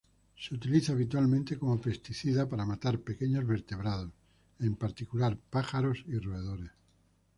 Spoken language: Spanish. Se utiliza habitualmente como pesticida para matar pequeños vertebrados, en particular pájaros y roedores.